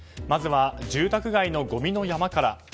まずは住宅街のごみの山から。